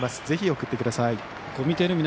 ぜひ送ってください。